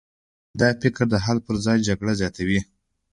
دا فکر د حل پر ځای جګړه زیاتوي.